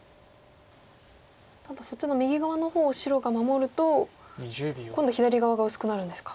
ただそっちの右側の方を白が守ると今度左側が薄くなるんですか。